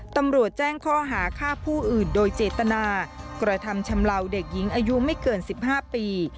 ตำรวจแจ้งข้อหาฆ่าผู้อื่นโดยเจตนากระทำชำลาวเด็กหญิงอายุไม่เกิน๑๕ปี